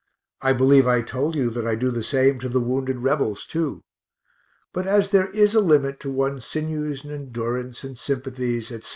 I believe I told you that I do the same to the wounded Rebels, too but as there is a limit to one's sinews and endurance and sympathies, etc.